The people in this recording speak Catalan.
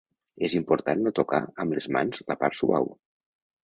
És important no tocar amb les mans la part suau.